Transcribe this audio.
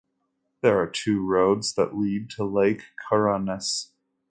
There are two roads that lead to Lake Kournas.